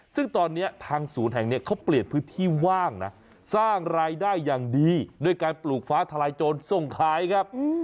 ซึ่งตอนนี้ทางศูนย์แห่งนี้เขาเปลี่ยนพื้นที่ว่างนะสร้างรายได้อย่างดีด้วยการปลูกฟ้าทลายโจรส่งขายครับ